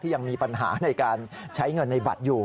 ยังมีปัญหาในการใช้เงินในบัตรอยู่